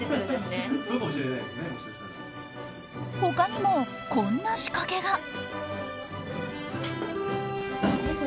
他にも、こんな仕掛けが。